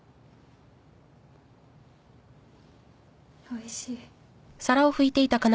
おいしい。